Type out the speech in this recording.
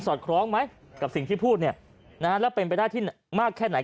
อดคล้องไหมกับสิ่งที่พูดเนี่ยนะฮะแล้วเป็นไปได้ที่มากแค่ไหน